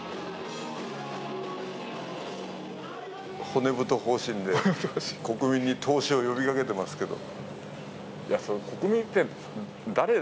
骨太方針で国民に投資を呼びかけてますけど？